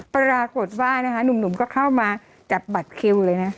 ปรากฏว่านะคะหนุ่มก็เข้ามาจับบัตรคิวเลยนะ